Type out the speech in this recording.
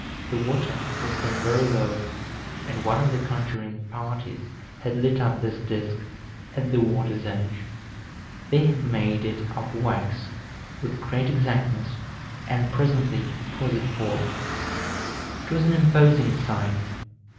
The water was then very low, and one of the conjuring parties had lit up this disk at the water's edge. They had made it of wax, with great exactness, and presently it was at full. It was an imposing sight.